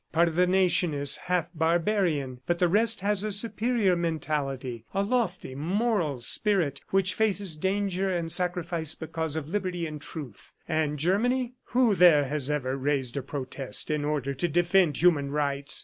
Part of the nation is half barbarian, but the rest has a superior mentality, a lofty moral spirit which faces danger and sacrifice because of liberty and truth. ... And Germany? Who there has ever raised a protest in order to defend human rights?